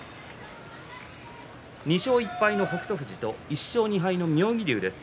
２勝１敗の北勝富士と１勝２敗の妙義龍です。